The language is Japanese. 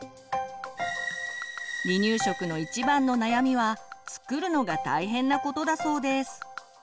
離乳食の一番の悩みは作るのが大変なことだそうです。